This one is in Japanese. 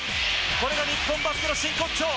これが日本バスケの真骨頂。